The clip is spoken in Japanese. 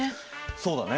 そうだね。